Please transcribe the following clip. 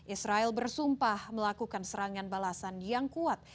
israel bersumpah melakukan serangan balasan yang kuat